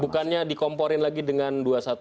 bukannya dikomporin lagi dengan dua satu dua